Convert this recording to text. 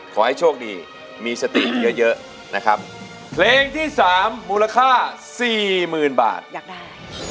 ขอให้โชคดีมีสติเยอะนะครับเพลงที่๓มูลค่า๔๐๐๐๐บาทอยากได้